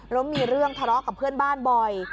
แล้วมีเรื่องทะเลาะกับเพื่อนบ้านบ่อย